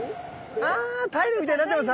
あタイルみたいになってます。